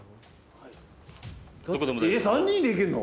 ３人でいけんの？